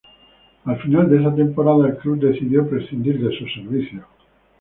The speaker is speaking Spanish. Al final de esa temporada el club decidió prescindir de sus servicios.